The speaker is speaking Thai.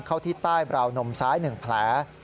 เข้าที่ใต้บราวนมซ้าย๑แผล